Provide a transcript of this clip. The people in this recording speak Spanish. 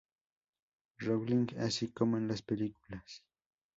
Rowling, así como en las películas.